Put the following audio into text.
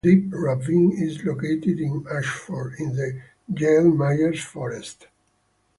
Boston Hollow, a deep ravine, is located in Ashford, in the Yale-Myers Forest.